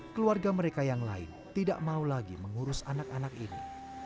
keluarga mereka yang lain tidak mau lagi mengurus anak anak ini